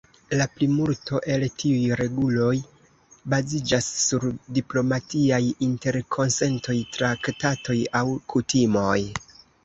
La plimulto el tiuj reguloj baziĝas sur diplomatiaj interkonsentoj, traktatoj aŭ kutimoj.